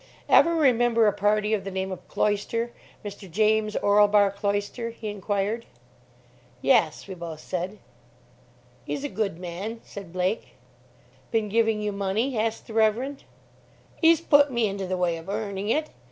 "Ever remember a party of the name of Cloyster, Mr. James Orlebar Cloyster?" he inquired. "Yes," we both said. "'E's a good man," said Blake. "Been giving you money?" asked the Reverend. "'E's put me into the way of earning it.